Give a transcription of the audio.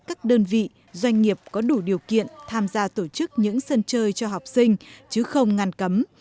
các đơn vị doanh nghiệp có đủ điều kiện tham gia tổ chức những sân chơi cho học sinh chứ không ngăn cấm